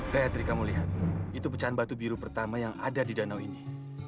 gayatri kamu lihat itu pecahan batu biru pertama yang ada di danau ini